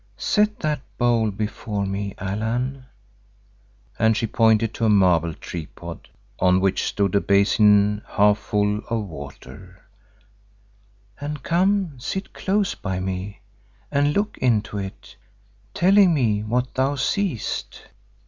Set that bowl before me, Allan," and she pointed to a marble tripod on which stood a basin half full of water, "and come, sit close by me and look into it, telling me what thou seest."